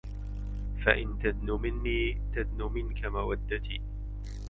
فإن تدن مني تدن منك مودتي